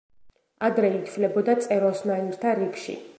ადრე ითვლებოდა წეროსნაირთა რიგში.